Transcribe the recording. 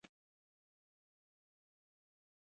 ورو يې څنګ ته په شاخ سر کېښود.